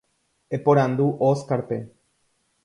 Eporandu Óscarpe.